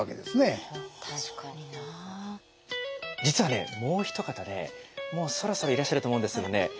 実はねもう一方ねもうそろそろいらっしゃると思うんですけどね